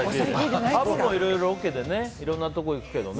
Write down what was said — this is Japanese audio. アブもいろいろロケでいろんなところ行くけどね。